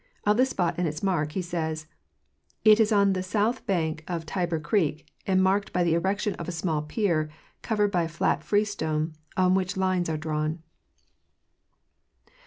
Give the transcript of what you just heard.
Of the spot and its mark he says: It is on the south bank of Tyber creek, and marked by the erection of a small pier, covered by a flat freestone, on which the lines are drawn.